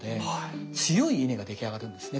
強い稲が出来上がるんですね